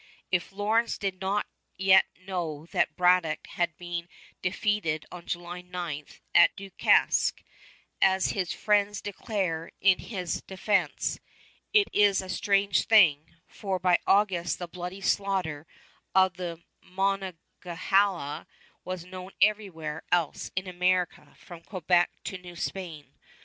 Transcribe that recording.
If Lawrence did not yet know that Braddock had been defeated on July 9 at Duquesne, as his friends declare in his defense, it is a strange thing; for by August the bloody slaughter of the Monongahela was known everywhere else in America from Quebec to New Spain.